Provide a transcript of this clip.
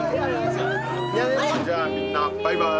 じゃあみんなバイバーイ。